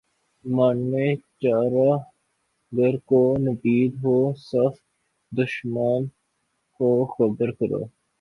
مرے چارہ گر کو نوید ہو صف دشمناں کو خبر کرو